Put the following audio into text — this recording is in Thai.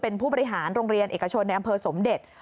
เป็นผู้บริหารโรงเรียนเอกชนในอำเภอสมเด็จ